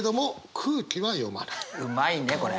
うまいねこれ。